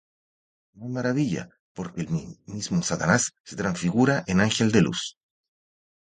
Y no es maravilla, porque el mismo Satanás se transfigura en ángel de luz.